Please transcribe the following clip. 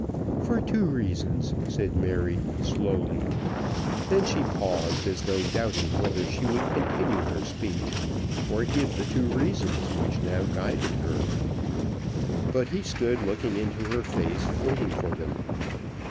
"For two reasons," said Mary, slowly, and then she paused, as though doubting whether she would continue her speech, or give the two reasons which now guided her. But he stood, looking into her face, waiting for them.